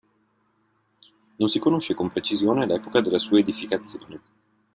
Non si conosce con precisione l'epoca della sua edificazione.